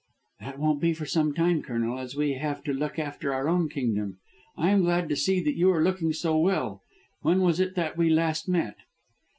"That won't be for some time, Colonel, as we have to look after our own kingdom. I am glad to see that you are looking so well. When was it that we last met?"